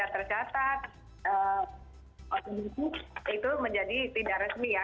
tercatat otomatis itu menjadi tidak resmi ya